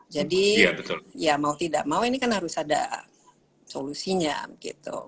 jadi ya mau tidak mau ini kan harus ada solusinya gitu